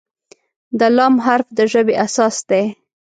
د "ل" حرف د ژبې اساس دی.